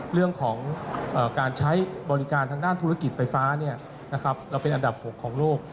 เรื่องของการใช้บริการทางด้านธุรกิจไฟฟ้าเราเป็นอันดับ๖ของโลก